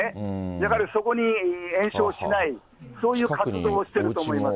やはりそこに延焼しない、そういう活動をしてると思いますね。